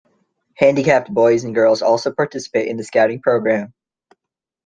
Handicapped boys and girls also participate in the Scouting program.